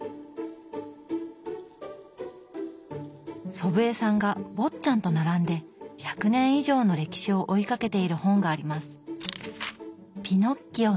祖父江さんが「坊っちゃん」と並んで１００年以上の歴史を追いかけている本があります。